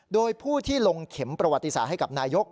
โดยผู้ที่ลงเข็มประวัติศาสตร์ให้กับนายก